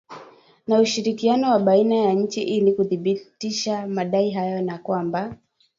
na ushirikiano wa baina ya nchi ili kuthibitisha madai hayo na kwamba